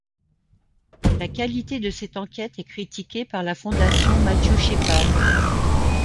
La qualité de cette enquête est critiquée par la Fondation Matthew Shepard.